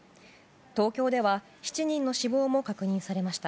東京では７人の死亡も確認されました。